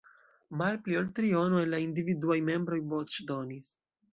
Malpli ol triono el la individuaj membroj voĉdonis.